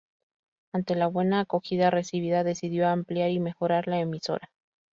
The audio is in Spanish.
Ante la buena acogida recibida, decidió ampliar y mejorar la emisora.